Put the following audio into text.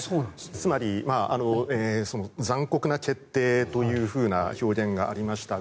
つまり、残酷な決定というふうな表現がありましたが。